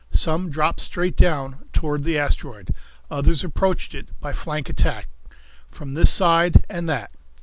Some dropped straight down toward the asteroid; others approached it by flank attack, from this side and that.